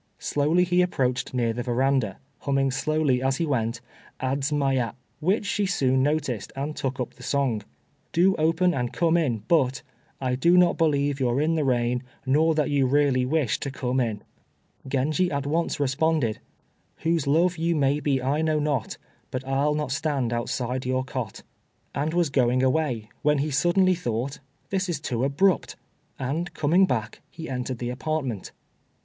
Slowly he approached near the veranda, humming slowly, as he went, "Adzmaya," which she soon noticed, and took up the song, "Do open and come in! but I do not believe you're in the rain, Nor that you really wish to come in." Genji at once responded, "Whose love you may be I know not, But I'll not stand outside your cot," and was going away, when he suddenly thought, "This is too abrupt!" and coming back, he entered the apartment.